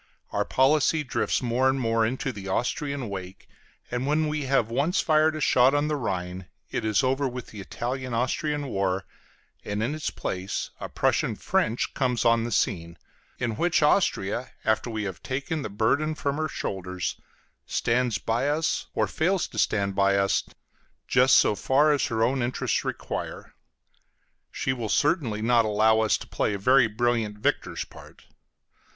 Our policy drifts more and more into the Austrian wake; and when we have once fired a shot on the Rhine, it is over with the Italian Austrian war, and in its place a Prussian French comes on the scene, in which Austria, after we have taken the burden from her shoulders, stands by us or fails to stand by us just so far as her own interests require. She will certainly not allow us to play a very brilliant victor's part.